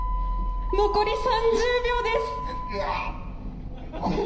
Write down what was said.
残り３０秒です。